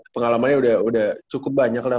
pengalamannya udah cukup banyak lah